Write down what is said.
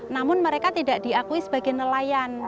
namun mereka tidak diakui sebagai nelayan